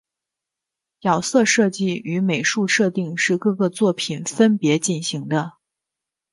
角色设计与美术设定是各个作品分别进行的。